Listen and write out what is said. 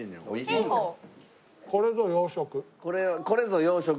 これぞ洋食？